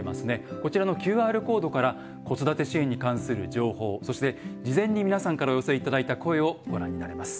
こちらのＱＲコードから子育て支援に関する情報そして事前に皆さんからお寄せいただいた声をご覧になれます。